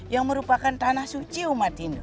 yang merupakan tanah suci umat hindu